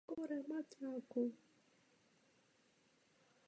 Střed města leží na "Piazza Garibaldi".